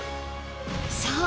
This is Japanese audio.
そう。